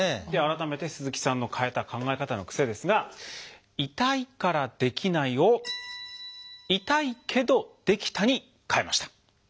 では改めて鈴木さんの変えた考え方の癖ですが「痛いからできない」を「痛いけどできた」に変えました。